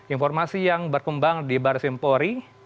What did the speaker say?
informasi yang berkembang di barsimpori